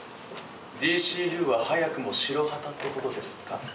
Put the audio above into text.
ＤＣＵは早くも白旗ってことですか？